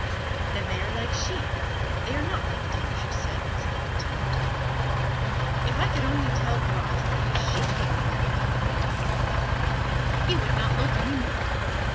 "Then they are like sheep they are not like deer," she said with some contempt. "If I could only tell Bras that it is sheep he will be looking at, he would not look any more.